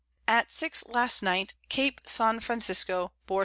At 6 last Night, Cape St. Francisco bore S.